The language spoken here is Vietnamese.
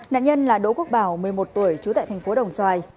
nạn nhân là đỗ quốc bảo một mươi một tuổi trú tại thành phố đồng xoài